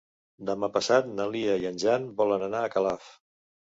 Demà passat na Lia i en Jan volen anar a Calaf.